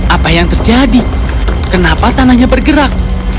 apa yang terjadi kenapa tanahnya bergerak